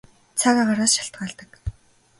Цаг агаараас шалтгаалдаг.